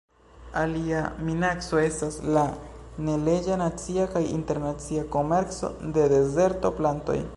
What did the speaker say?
Alia minaco estas la neleĝa nacia kaj internacia komerco de dezerto-plantoj.